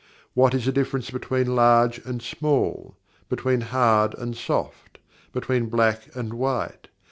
What is the difference between "Large and Small"? Between "Hard and Soft"? Between "Black and White"?